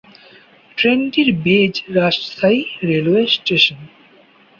ট্রেনটির base Rajshahi railway station.